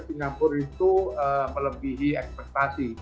singapura itu melebihi ekspektasi